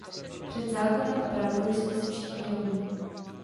Před zákonem a pravdou jsme si všichni rovni!